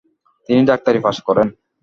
তিনি ডাক্তারি পাস করেন।